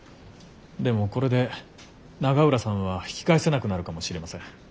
でもこれで永浦さんは引き返せなくなるかもしれません。